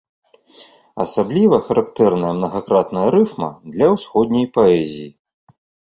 Асабліва характэрная мнагакратная рыфма для ўсходняй паэзіі.